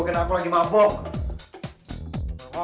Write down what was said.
kemarin orang tua aku menegokin aku lagi mabok